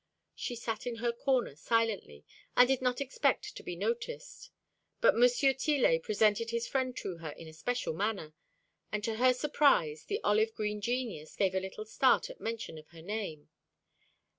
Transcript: She sat in her corner silently, and did not expect to be noticed; but M. Tillet presented his friend to her in a special manner, and to her surprise the olive green genius gave a little start at mention of her name.